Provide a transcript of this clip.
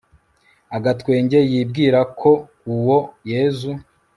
agatwenge, yibwira ko uwo yezu